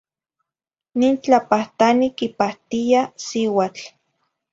Nin tlapahtani quipahtiya siuatl.